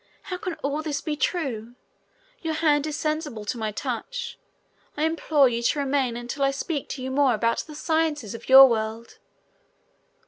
How can all this be true? Your hand is sensible to my touch. I implore you to remain until I speak to you more about the sciences of your world."